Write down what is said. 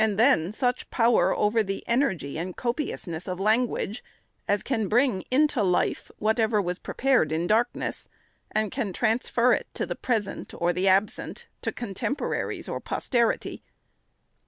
511 then such power over the energy and copiousness of lan guage, as can bring into life whatever was prepared in darkness, and can transfer it to the present or the absent, to contemporaries or posterity.